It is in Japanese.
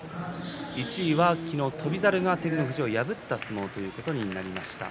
１位は昨日、翔猿が照ノ富士を破った相撲となりました。